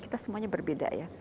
kita semuanya berbeda ya